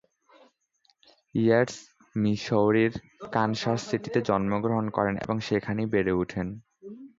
Yeats মিসৌরির Kansas সিটিতে জন্মগ্রহণ করেন এবং সেখানেই বেড়ে ওঠেন।